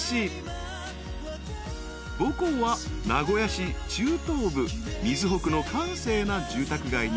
［母校は名古屋市中東部瑞穂区の閑静な住宅街にある］